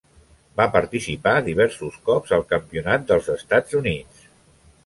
Va participar diversos cops al Campionat dels Estats Units.